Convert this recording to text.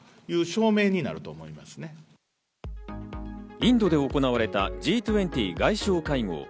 インドで行われたＧ２０外相会合。